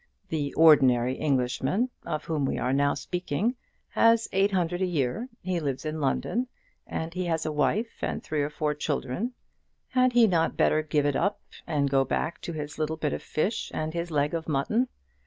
The ordinary Englishman, of whom we are now speaking, has eight hundred a year; he lives in London; and he has a wife and three or four children. Had he not better give it up and go back to his little bit of fish and his leg of mutton?